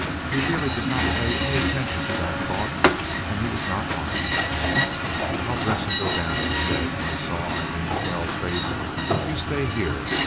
He really did not pay any attention to that thought, and he was not armed. "I'll dress and go down," he said, when he saw Aileen's pale face. "You stay here.